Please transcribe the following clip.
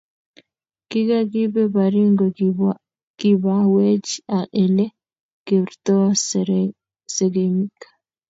Kikakipe baringo kipawech ele kirpto sekemik